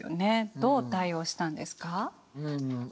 どう対応したんですか？